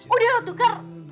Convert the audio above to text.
udah lo tuker